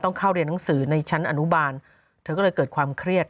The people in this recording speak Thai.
เข้าเรียนหนังสือในชั้นอนุบาลเธอก็เลยเกิดความเครียด